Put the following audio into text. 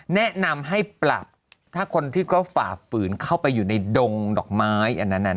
แนะนำให้ปรับถ้าคนที่เขาฝ่าฝืนเข้าไปอยู่ในดงดอกไม้อันนั้น